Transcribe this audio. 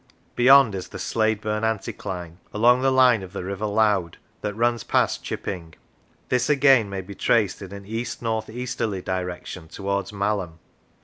Beyond is the Slaidburn anticline, along the line of the River Loud, that runs past Chipping; this again may be traced in an east north easterly direction towards Malham.